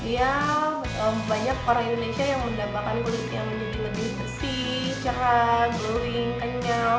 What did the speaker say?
ya banyak orang indonesia yang mendambakan kulit yang lebih bersih cerah glowing kenyal dan tanpa makeup